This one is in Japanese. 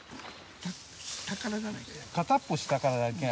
片っぽ下からだきゃあ。